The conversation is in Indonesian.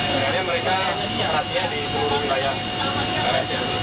makanya mereka perhatian di seluruh wilayah